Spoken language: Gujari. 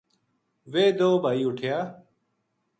ویہ دو بھائی اُٹھیا